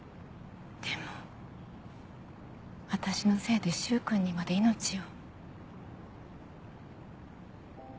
でも私のせいで柊君にまで命を。